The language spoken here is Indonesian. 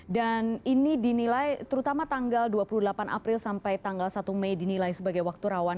dan ini dinilai terutama tanggal dua puluh delapan april sampai tanggal satu mei dinilai sebagai waktu rawan